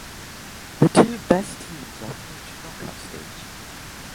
The two best teams are through to knockout stage.